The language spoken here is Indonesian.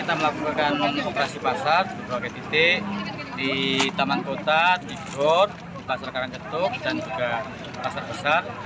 kita melakukan operasi pasar di beberapa titik di taman kota di jodh di pasar karangcetuk dan juga di pasar besar